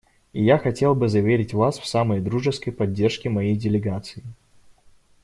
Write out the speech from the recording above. И я хотел бы заверить вас в самой дружеской поддержке моей делегации.